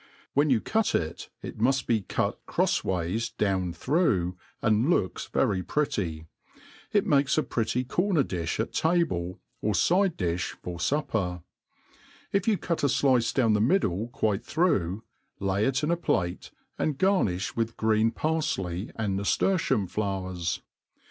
^ When you cut it, it muft be cut crofa ways down through*, and looks very pretty.. It makes a pieuy corner*difli at table, or fi(}e«di/h for fupper. If you cut a nice down the middle quite through, lay it in a plate, afid garnifii with green parfky apd naftertium flowers.